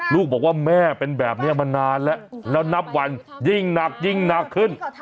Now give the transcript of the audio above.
ลูกบอกว่าแม่เป็นแบบนี้มานานแล้วแล้วนับวันยิ่งหนักยิ่งหนักขึ้น